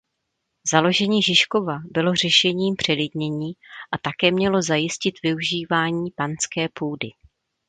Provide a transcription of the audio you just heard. Založení Žižkova bylo řešením přelidnění a také mělo zajistit využívání panské půdy.